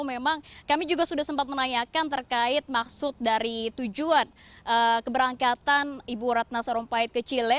memang kami juga sudah sempat menanyakan terkait maksud dari tujuan keberangkatan ibu ratna sarumpait ke chile